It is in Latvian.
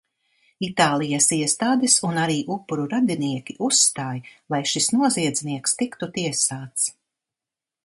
Itālijas iestādes un arī upuru radinieki uzstāj, lai šis noziedznieks tiktu tiesāts.